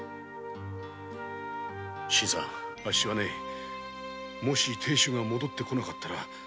あっしはねもし亭主が戻って来なかったら。